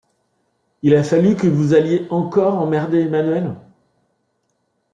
Il a fallu que vous alliez encore emmerder Emmanuelle ?